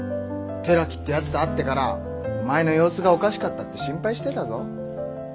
寺木ってやつと会ってからお前の様子がおかしかったって心配してたぞ。